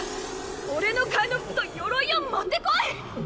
俺の替えの服と鎧を持ってこい！